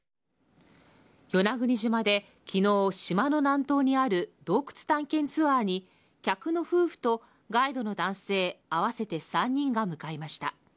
与那国島で昨日、島の南東にある洞窟探検ツアーに客の夫婦とガイドの男性合わせて３人が向かいました。